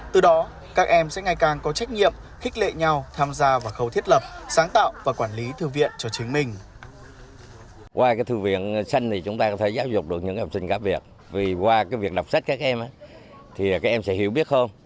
từ đó các em sẽ ngày càng có trách nhiệm khích lệ nhau tham gia vào khâu thiết lập sáng tạo và quản lý thư viện cho chính mình